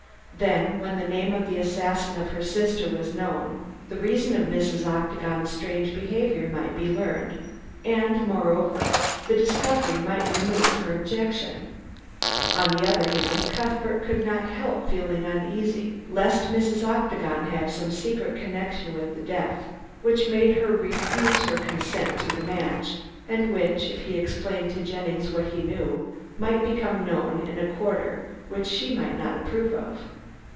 Then, when the name of the assassin of her sister was known, the reason of Mrs. Octagon's strange behavior might be learned, and, moreover, the discovery might remove her objection. On the other hand, Cuthbert could not help feeling uneasy, lest Mrs. Octagon had some secret connected with the death which made her refuse her consent to the match, and which, if he explained to Jennings what he knew, might become known in a quarter which she might not approve of.